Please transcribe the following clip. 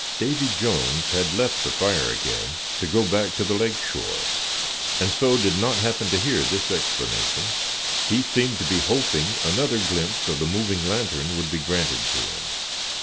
Davy Jones had left the fire again, to go back to the lake shore, and so did not happen to hear this explanation. He seemed to be hoping another glimpse of the moving lantern would be granted to him.